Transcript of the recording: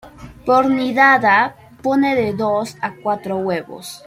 Por nidada pone de dos a cuatro huevos.